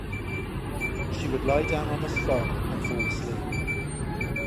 She would lie down on the spot and fall asleep.